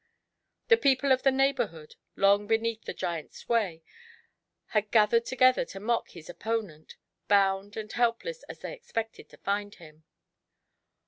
The people of the neighbourhood, long beneath the giant's sway, had gathered together to mock his opponent, bound and helpless as they expected to find bim.